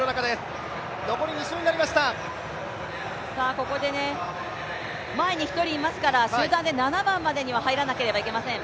ここで前に１人いますから、集団で７番までには入らなければいけません。